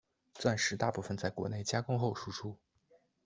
钻石大部份在国内加工后输出。